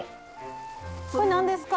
これ何ですか？